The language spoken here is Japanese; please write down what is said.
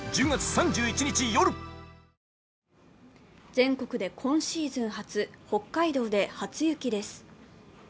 全国で今シーズン初、北海道で初雪です。